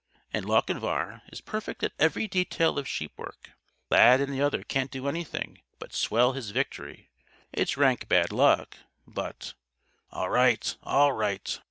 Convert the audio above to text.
And Lochinvar is perfect at every detail of sheep work. Lad and the other can't do anything but swell his victory. It's rank bad luck, but " "All right! All right!"